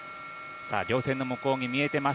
さあ、陵線の向こうに見えています。